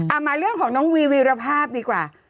มาเรื่องของน้องวีวีรภาพดีกว่า